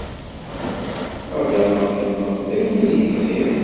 Ttqadareɣ-kem ɣef wayen ay tgiḍ.